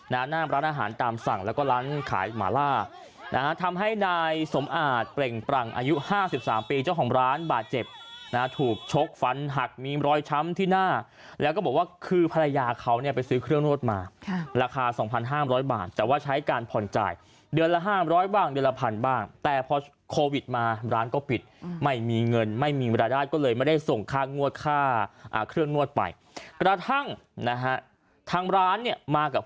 นะฮะหน้าร้านอาหารตามสั่งแล้วก็ร้านขายหมาล่านะฮะทำให้นายสมอาจเปร่งปรั่งอายุห้าสิบสามปีเจ้าของร้านบาดเจ็บนะฮะถูกชกฝันหักมีรอยช้ำที่หน้าแล้วก็บอกว่าคือภรรยาเขาเนี่ยไปซื้อเครื่องนวดมาค่ะราคาสองพันห้ามร้อยบาทแต่ว่าใช้การผ่อนจ่ายเดือนละห้ามร้อยบ้างเดือนละพันบ้างแต่พอโควิด